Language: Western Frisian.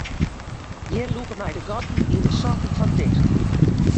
Hjir lûke my de gatten yn de sokken fan ticht.